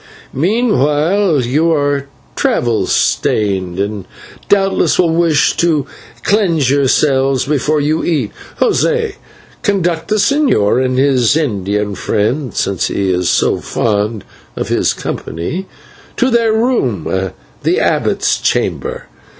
Meanwhile, you are travel stained and doubtless will wish to cleanse yourself before you eat. José, conduct the señor and his Indian friend, since he is so fond of his company, to their room, the abbot's chamber.